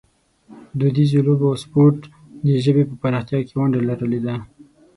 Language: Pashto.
دودیزو لوبو او سپورټ د ژبې په پراختیا کې ونډه لرلې ده.